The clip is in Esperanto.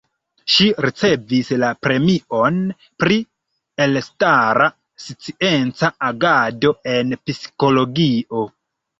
Ŝi ricevis la premion pri elstara scienca agado en Psikologio.